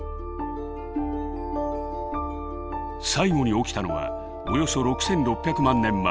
最後に起きたのはおよそ６，６００万年前。